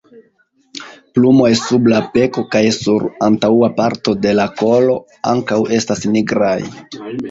Plumoj sub la beko kaj sur antaŭa parto de la kolo ankaŭ estas nigraj.